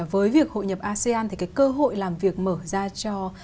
với việc hội nhập asean thì cái cơ hội làm việc mở ra cho